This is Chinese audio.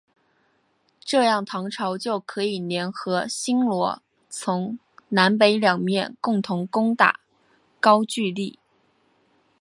这样唐朝就可以联合新罗从南北两面共同攻打高句丽。